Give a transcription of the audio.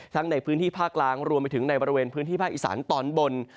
ในพื้นที่ภาคล่างรวมไปถึงในบริเวณพื้นที่ภาคอีสานตอนบน